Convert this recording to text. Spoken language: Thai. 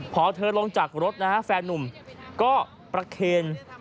พอเธอลงจากรถนะฮะแฟนนุ่มก็ประเคน